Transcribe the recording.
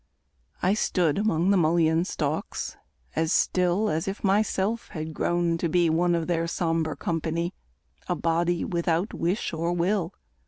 I stood Among the mullein stalks as still As if myself had grown to be One of their sombre company, A body without wish or will.